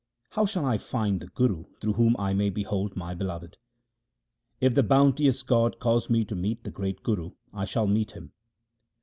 How shall I find the Guru through whom I may behold my Beloved ? If the bounteous God cause me to meet the great Guru, I shall meet Him.